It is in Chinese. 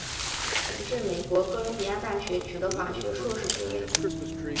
曾至美国哥伦比亚大学取得法学硕士学位。